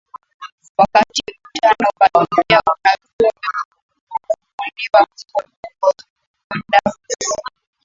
wakati mkutano wa dunia wa uchumi kufunguliwa huko davos